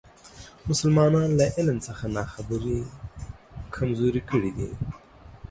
مسلمانان له علم څخه ناخبري کمزوري کړي دي.